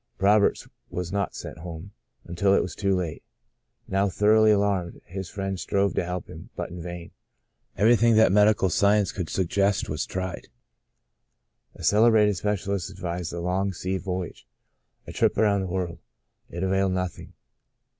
Roberts was not sent home — until it was too late. Now thoroughly alarmed, his friends strove to help him, but in vain. Everything that medical science could suggest was tried. A celebrated specialist advised a long sea voyage — a trip around the world. It availed nothing.